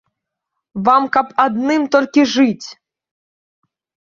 Вам каб адным толькі жыць!